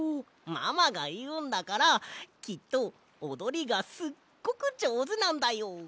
ママがいうんだからきっとおどりがすっごくじょうずなんだよ！